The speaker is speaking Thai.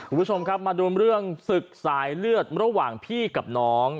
คุณผู้ชมครับมาดูเรื่องศึกสายเลือดระหว่างพี่กับน้อง